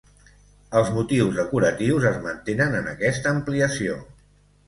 Els motius decoratius es mantenen en aquesta ampliació.